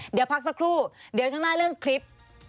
เดี๋ยวพักสักครู่เดี๋ยวช่วงหน้าเรื่องคลิป